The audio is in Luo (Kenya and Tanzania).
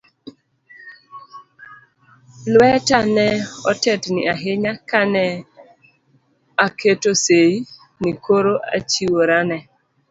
Lweta ne otetni ahinya ka ne aketo seyi ni koro achiwora ne